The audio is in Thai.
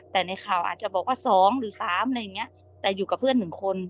แต่ในข่าวอาจจะบอกว่า๒หรือ๓อะไรอย่างเงี้ยแต่อยู่กับเพื่อน๑คน